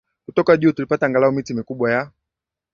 kutoka juu Tulipata angalau miti mikubwa ya